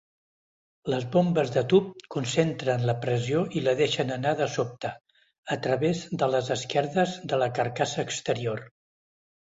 Les bombes de tub concentren la pressió i la deixen anar de sobte, a través de les esquerdes de la carcassa exterior.